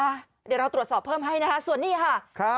เดี๋ยวเราตรวจสอบเพิ่มให้นะคะส่วนนี้ค่ะ